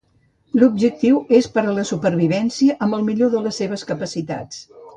L'objectiu és per a la supervivència amb el millor de les seves capacitats.